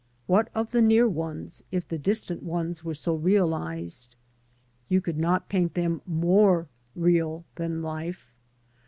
What of the near ones, if the distant ones were so realised? You could not paint them more real than life.